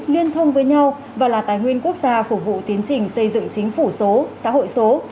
liên thông với nhau và là tài nguyên quốc gia phục vụ tiến trình xây dựng chính phủ số xã hội số